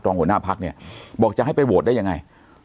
ตรงหัวหน้าพักษณ์เนี่ยบอกจะให้ไปโหวดได้อย่างไร